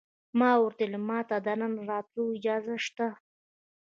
ما ورته وویل: ما ته د دننه راتلو اجازه شته؟